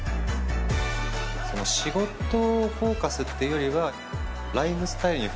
仕事をフォーカスっていうよりは。